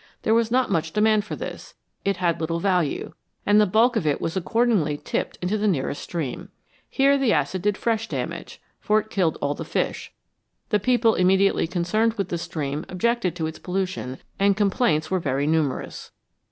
There was not much demand for this ; it had little value, and the bulk of it was accordingly tipped into the nearest stream. Here the acid did fresh damage, for it killed all the fish ; the people immediately concerned with the stream objected to its pollution, and complaints were very numerous.